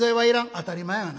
「当たり前やがな。